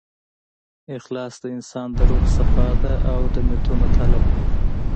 اخلاص د انسان د روح صفا ده، او د نیتونو تله ده.